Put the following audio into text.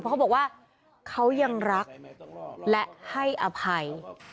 เพราะเขาบอกว่าเขายังรักและให้อภัย